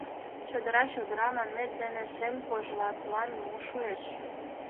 «Чодыра, чодыра» манмет дене Шем кожлатлан мо шуэш?